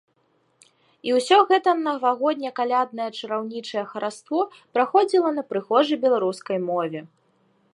І ўсё гэта навагодне-каляднае чараўнічае хараство праходзіла на прыгожай беларускай мове.